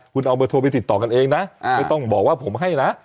คุณเอาเบอร์โทรไปติดต่อกันเองนะไม่ต้องบอกว่าผมให้นะ